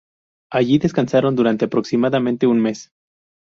Allí descansaron durante aproximadamente un mes.